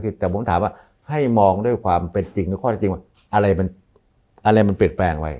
แต่ผมถามว่าให้มองด้วยความเป็นจริงความเป็นจริงว่าอะไรมันเปลี่ยนแปลงไว้